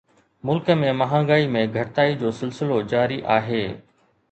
ملڪ ۾ مهانگائي ۾ گهٽتائي جو سلسلو جاري آهي